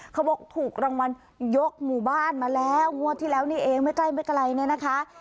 ถูกรางวัลยกหมู่บ้านมาแล้วงวดที่แล้วนี่เองไม่ใกล้ไม่ไกลเนี่ยนะคะ